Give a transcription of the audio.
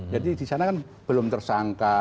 jadi di sana kan belum tersangka